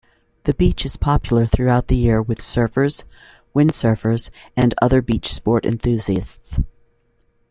The beach is popular throughout the year with surfers, windsurfers, and other beachsport enthusiasts.